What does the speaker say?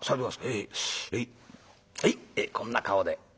へいこんな顔で」。